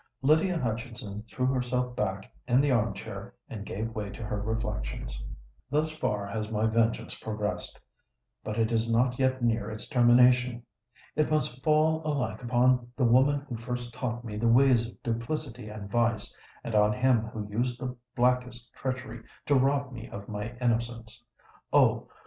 Lydia Hutchinson threw herself back in the arm chair, and gave way to her reflections. "Thus far has my vengeance progressed: but it is not yet near its termination. It must fall alike upon the woman who first taught me the ways of duplicity and vice, and on him who used the blackest treachery to rob me of my innocence. Oh!